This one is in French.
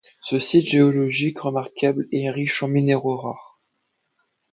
Ce site géologique remarquable est riche en minéraux rares.